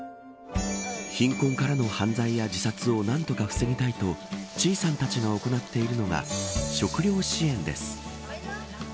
貧困からの犯罪や自殺を何とか防ぎたいとチーさんたちが行っているのが食料支援です。